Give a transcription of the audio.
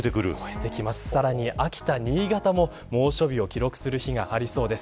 さらに秋田、新潟も猛暑日を記録する日がありそうです。